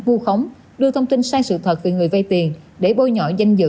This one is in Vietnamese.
vu khống đưa thông tin sai sự thật về người vây tiền để bôi nhỏ danh dự